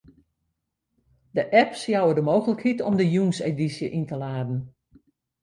De apps jouwe de mooglikheid om de jûnsedysje yn te laden.